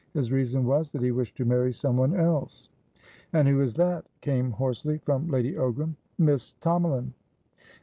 His reason was, that he wished to marry someone else." "And who is that?" came hoarsely from Lady Ogram. "Miss Tomalin."